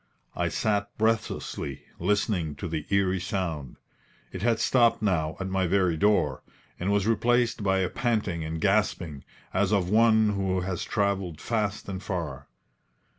I sat breathlessly, listening to the eerie sound. It had stopped now at my very door, and was replaced by a panting and gasping, as of one who has travelled fast and far.